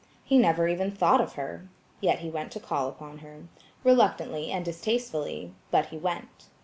He never even thought of her. Yet he went to call upon her. Reluctantly and distastefully–but he went.